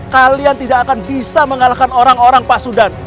kalian tidak akan bisa mengalahkan orang orang pak sudan